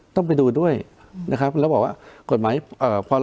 ต้องไปดูด้วยนะครับแล้วบอกว่ากฎหมายเอ่อ